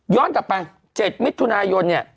ย้อนกลับไป๗มิถุนายน